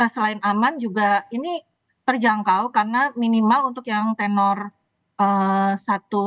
selain aman juga ini terjangkau karena minimal untuk yang tenor satu